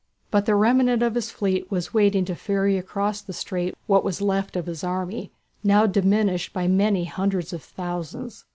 But the remnant of his fleet was there waiting to ferry across the strait what was left of his army, now diminished by many hundreds of thousands.